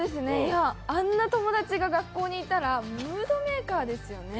あんな友達が学校にいたらムードメーカーですよね。